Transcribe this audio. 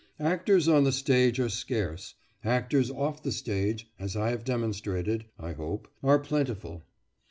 Actors on the stage are scarce, actors off the stage, as I have demonstrated, I hope, are plentiful.